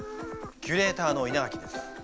キュレーターの稲垣です。